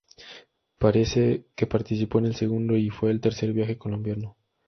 Parece que participó en el segundo, y fue al tercer viaje colombino.